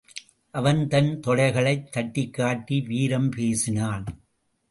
அவன் தன் தொடைகளைத் தட்டிக்காட்டி வீரம் பேசினான்.